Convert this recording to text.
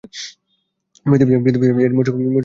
পৃথিবীতে এদের মোট সংখ্যা তা এখনও জানা যায়নি।